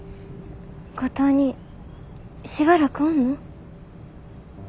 五島にしばらくおんの？